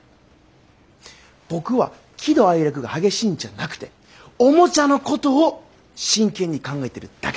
僕は喜怒哀楽が激しいんじゃなくておもちゃのことを真剣に考えてるだけだ。